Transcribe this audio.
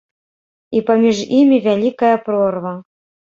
І паміж імі вялікая прорва.